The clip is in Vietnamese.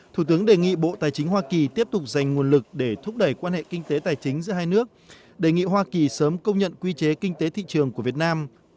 thủ tướng đề nghị bộ tài chính hoa kỳ tiếp tục dành nguồn lực để thúc đẩy quan hệ kinh tế tài chính giữa hai nước đề nghị hoa kỳ sớm công nhận quy chế kinh tế thị trường của việt nam